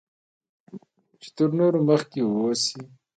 چې تر نورو مخکې واوسی